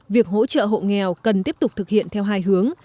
việc hỗ trợ hộ nghèo cần tiếp tục thực hiện theo hai hướng